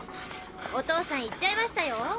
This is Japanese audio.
お父さん行っちゃいましたよ。